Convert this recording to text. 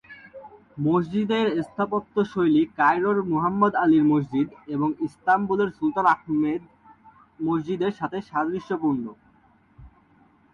মসজিদের স্থাপত্যশৈলী কায়রোর মুহাম্মদ আলীর মসজিদ এবং ইস্তাম্বুলের সুলতান আহমেদ মসজিদের সাথে সাদৃশ্যপূর্ণ।